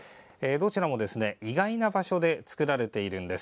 どちらも意外な場所で作られています。